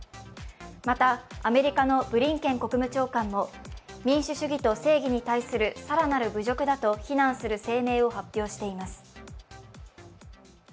また、アメリカのブリンケン国務長官も民主主義と正義に対する更なる侮辱だと非難する声明を発表しています。